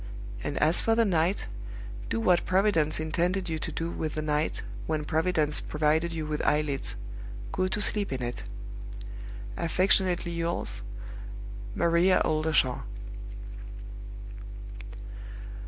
And as for the night, do what Providence intended you to do with the night when Providence provided you with eyelids go to sleep in it. Affectionately yours, "MARIA OLDERSHAW."